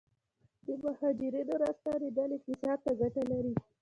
د مهاجرینو راستنیدل اقتصاد ته ګټه لري؟